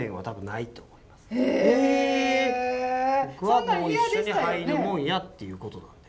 僕はもう一緒に入るもんやっていうことなんで。